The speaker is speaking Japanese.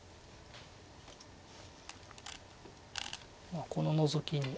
まあこのノゾキに。